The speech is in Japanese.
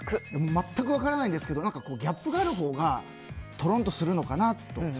全く分からないんですけどギャップがあるほうがとろんとするのかなと。